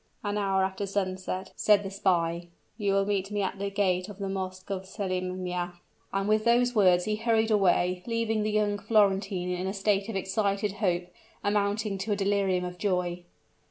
"An hour after sunset," said the spy, "you will meet me at the gate of the Mosque of Selimya;" and with those words he hurried away, leaving the young Florentine in a state of excited hope, amounting to a delirium of joy.